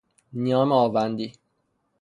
نیام آوندی